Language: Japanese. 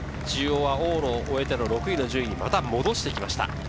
中央は往路を終えて、６位の順位にまた戻してきました。